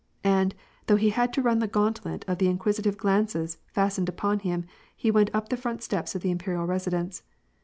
And, though he had to run the gauntlet of the inquisitive glances fastened upon him, he went up the front steps of the imperial residence.